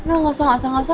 enggak gak usah